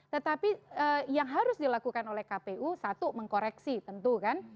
tetapi yang harus dilakukan oleh kpu satu mengkoreksi tentu kan